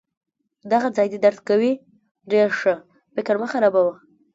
دغه ځای دي درد کوي؟ ډیر ښه! فکر مه خرابوه.